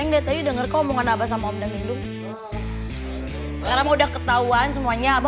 enggak tadi denger kau mau ngomong sama om dangdung sekarang udah ketahuan semuanya